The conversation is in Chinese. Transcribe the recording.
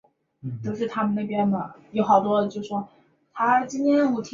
无印良品数位影印输出中心